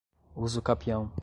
usucapião